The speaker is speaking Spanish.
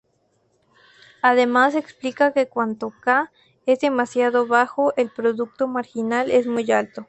Además explica que cuando "k" es demasiado bajo, el producto marginal es muy alto.